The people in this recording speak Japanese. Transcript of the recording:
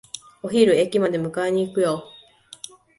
お昼、駅まで迎えに行くよ。